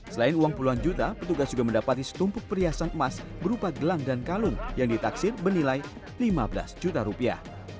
selain uang puluhan juta petugas juga mendapati setumpuk perhiasan emas berupa gelang dan kalung yang ditaksir bernilai lima belas juta rupiah